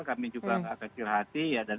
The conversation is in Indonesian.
kami juga enggak kesil hati